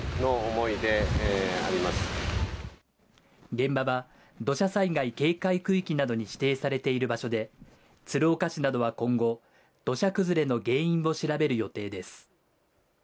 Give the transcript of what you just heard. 現場は、土砂災害警戒区域などに指定されている場所で鶴岡市などは今後、土砂崩れの原因を調べる予定です。